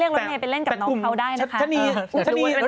รถเมย์ไปเล่นกับน้องเขาได้นะคะ